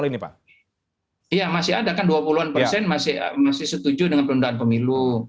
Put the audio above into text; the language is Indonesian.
iya masih ada kan dua puluh an persen masih setuju dengan penundaan pemilu